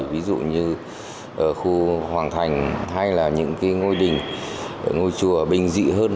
ví dụ như ở khu hoàng thành hay là những cái ngôi đình ngôi chùa bình dị hơn